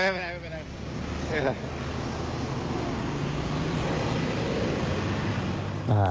ไม่เป็นไรไม่เป็นไรไม่เป็นไร